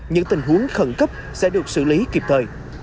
những tình huống khẩn cấp sẽ được xử lý kịp thời